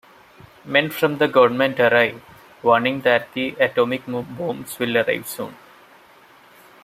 Men from the government arrive, warning that the atomic bombs will arrive soon.